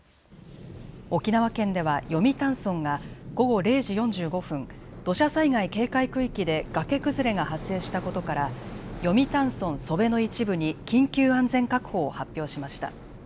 沖縄県では読谷村が午後０時４５分、土砂災害警戒区域で崖崩れが発生したことから読谷村楚辺の一部に緊急安全確保を発表しました。